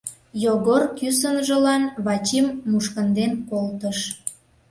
Йогор кӱсынжылан Вачим мушкынден колтыш.